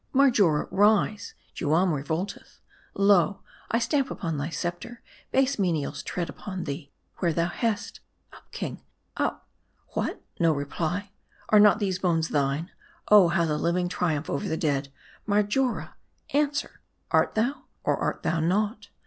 Marjora ! rise ! Juam revolteth ! Lo, I stamp upon thy scepter ; base menials tread upon thee where thou liest ! Up, king, up ! What ? no reply ? Are not these bones thine ? Oh, how the living triumph over ther dead ! Mar jora ! answer. Art thou ? or art thou not